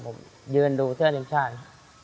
ผมยืนดูเสื้อทีมชาติ